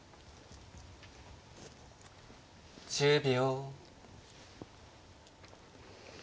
１０秒。